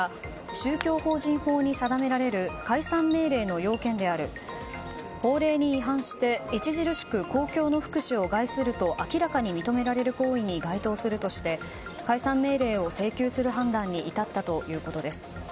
宗教法人法に定められる解散命令の要件である法令に違反して著しく公共の福祉を害すると明らかに認められる行為に該当するとして解散命令を請求する判断に至ったということです。